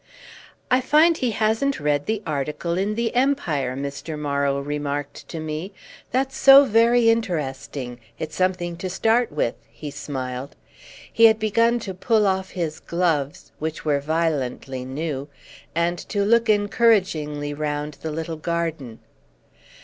"I find he hasn't read the article in The Empire," Mr. Morrow remarked to me. "That's so very interesting—it's something to start with," he smiled. He had begun to pull off his gloves, which were violently new, and to look encouragingly round the little garden.